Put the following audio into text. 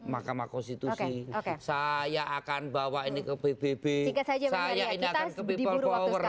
makam makam konstitusi saya akan bawa ini ke bbb saya ini akan ke bbb power